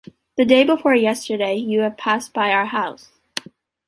The day before yesterday you have passed by our house.